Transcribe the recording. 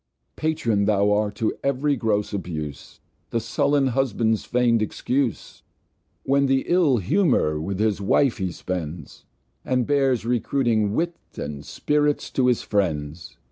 Patron thou art to ev'ry gross Abuse, The sullen Husband's feign'd Excuse, When the ill Humour with his Wife he spends, And bears recruited Wit, and Spirits to his Friends.